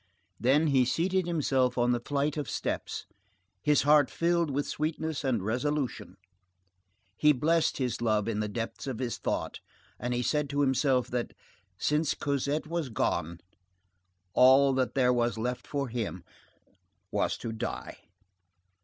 Then he seated himself on the flight of steps, his heart filled with sweetness and resolution, he blessed his love in the depths of his thought, and he said to himself that, since Cosette was gone, all that there was left for him was to die.